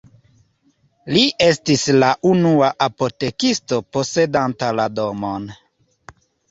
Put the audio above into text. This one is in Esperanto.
Li estis la unua apotekisto posedanta la domon.